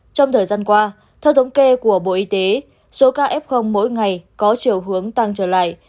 trong thời gian qua theo thống kê của bộ y tế số ca f mỗi ngày có chiều hướng tăng trở lại